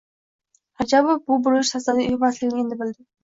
Rajabov bu burilish tasodif emasligini endi bildi.